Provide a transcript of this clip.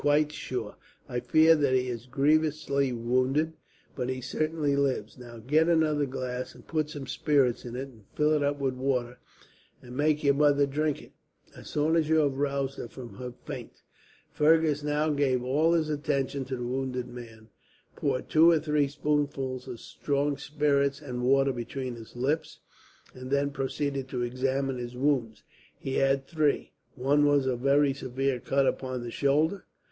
"Quite sure. I fear that he is grievously wounded, but he certainly lives. Now, get another glass and put some spirits in and fill it up with water, and make your mother drink it, as soon as you have roused her from her faint." Fergus now gave all his attention to the wounded man, poured two or three spoonfuls of strong spirits and water between his lips, and then proceeded to examine his wounds. He had three. One was a very severe cut upon the shoulder.